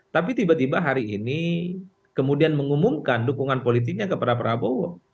tapi tiba tiba hari ini kemudian mengumumkan dukungan politiknya kepada prabowo